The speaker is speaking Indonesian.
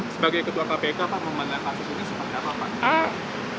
sebagai ketua kpk memandang aslinya seperti apa pak